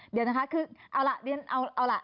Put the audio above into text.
เดี๋ยวนะคะคือเอาล่ะเรียนเอาล่ะ